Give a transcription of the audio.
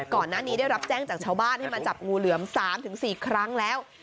ก่อนหน้านี้ได้รับแจ้งจากชาวบ้านให้มาจับงูเหลือม๓๔ครั้งแล้ว